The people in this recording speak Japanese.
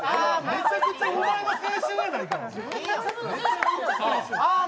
めちゃくちゃお前の青春やないか。